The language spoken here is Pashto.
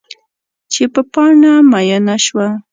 چې په پاڼه میینه شوه